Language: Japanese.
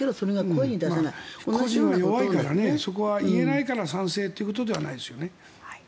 個人は弱いから言えないから賛成ということではないですよね。